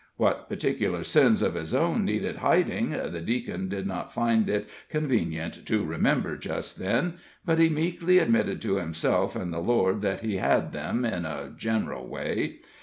What particular sins of his own needed hiding the Deacon did not find it convenient to remember just then, but he meekly admitted to himself and the Lord that he had them, in a general way.